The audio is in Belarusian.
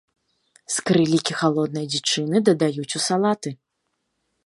Скрылікі халоднай дзічыны дадаюць у салаты.